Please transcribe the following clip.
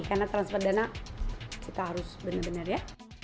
karena transfer dana kita harus benar benar ya